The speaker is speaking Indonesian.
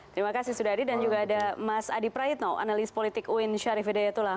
terima kasih sudahdi dan juga ada mas adi praitno analis politik uin syarif hidayatullah